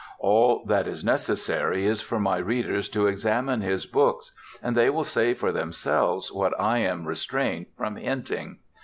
All that is necessary is for my readers to examine his books and they will say for themselves what I am restrained from hinting.